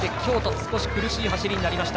少し苦しい走りになった。